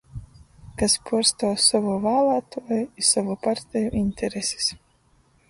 Kas puorstuov sovu vālātuoju i sovu parteju iņteresis